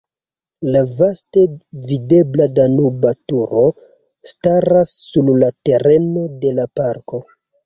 La vaste videbla Danuba Turo staras sur la tereno de la parko.